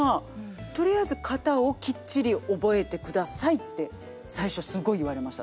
「とりあえず型をきっちり覚えてください」って最初すごい言われました。